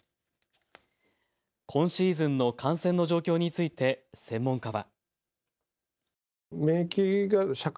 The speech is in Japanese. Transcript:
今シーズンの感染の状況について専門家は。